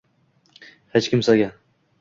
Hech kimsaga